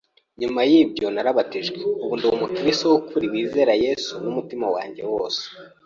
Nyuma y’ibyo narabatijwe, ubu ndi Umukristo w’ukuri wizera Yesu n’umutima wanjye wose.